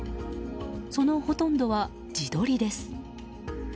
そのほとんどは自撮りです。